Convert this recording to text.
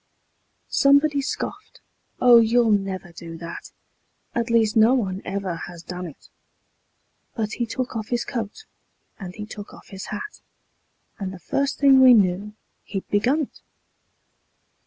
Somebody scoffed: "Oh, you'll never do that; At least no one ever has done it"; But he took off his coat and he took off his hat, And the first thing we knew he'd begun it.